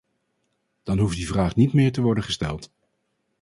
Dan hoeft die vraag niet meer te worden gesteld.